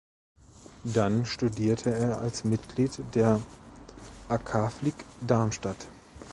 Dann studierte er als Mitglied der Akaflieg Darmstadt.